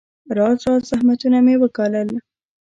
راز راز زحمتونه مې وګالل.